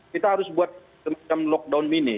kita harus buat semacam lockdown mini